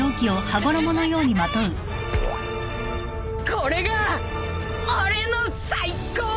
これが俺の最高地点だ！